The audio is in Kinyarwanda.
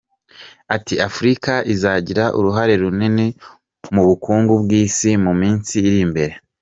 Ati “Afurika izagira uruhare runini mu bukungu bw’Isi mu minsi iri imbere.